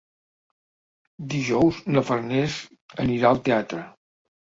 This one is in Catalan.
Dijous na Farners anirà al teatre.